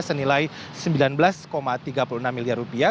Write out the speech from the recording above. senilai sembilan belas tiga puluh enam miliar rupiah